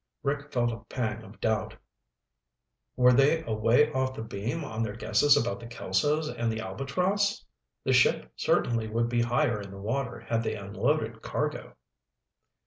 Rick felt a pang of doubt. Were they away off the beam on their guesses about the Kelsos and the Albatross? The ship certainly would be higher in the water had they unloaded cargo.